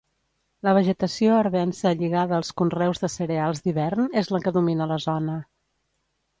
La vegetació arvense lligada als conreus de cereals d’hivern és la que domina la zona.